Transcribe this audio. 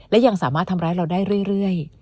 และยังสามารถทำร้ายเราได้เรื่อย